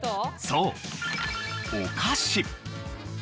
そうお菓子。